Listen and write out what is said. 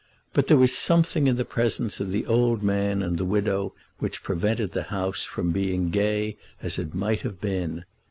But there was something in the presence of the old man and the widow which prevented the house from being gay as it might have been.